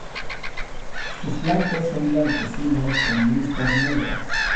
Sus flancos son blanquecinos con listas negras.